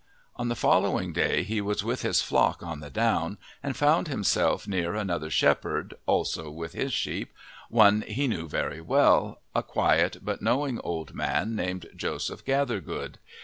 On the following day he was with his flock on the down and found himself near another shepherd, also with his sheep, one he knew very well, a quiet but knowing old man named Joseph Gathergood.